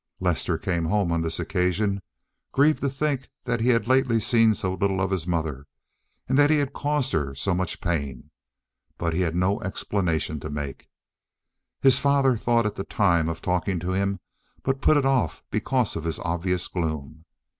Lester came home on this occasion, grieved to think he had lately seen so little of his mother—that he had caused her so much pain—but he had no explanation to make. His father thought at the time of talking to him, but put it off because of his obvious gloom.